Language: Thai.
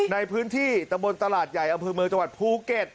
ในพื้นที่ตะบนตลาดใหญ่อำเภอเมืองจังหวัดภูเก็ต